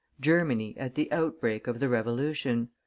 GERMANY AT THE OUTBREAK OF THE REVOLUTION.